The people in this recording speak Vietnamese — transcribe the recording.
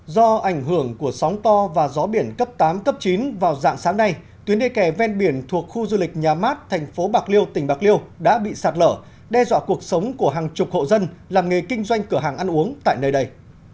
do ảnh hưởng của sóng to và gió biển cấp tám cấp chín vào dạng sáng nay tuyến đê kè ven biển thuộc khu du lịch nhà mát thành phố bạc liêu tỉnh bạc liêu đã bị sạt lở đe dọa cuộc sống của hàng chục hộ dân làm nghề kinh doanh cửa hàng ăn uống tại nơi đây